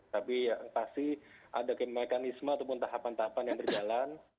tapi yang pasti ada mekanisme ataupun tahapan tahapan yang berjalan